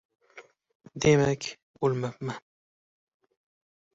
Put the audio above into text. — Demak, o‘lmabman.